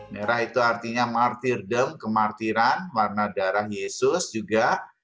merah itu artinya martirdem kemartiran warna darah yesus juga